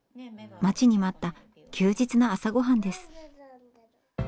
待ちに待った休日の朝ごはんです。